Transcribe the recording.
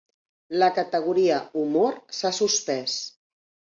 La categoria Humor s'ha suspès.